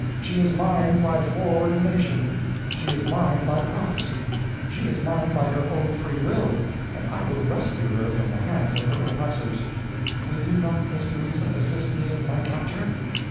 She is mine by foreordination she is mine by prophesy she is mine by her own free will, and I will rescue her from the hands of her oppressors. Will you not, Miss Louisa, assist me in my capture?"